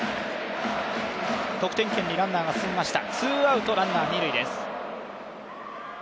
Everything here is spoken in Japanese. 得点圏にランナーが進みました。